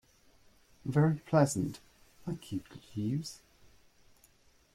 Very pleasant, thank you, Jeeves.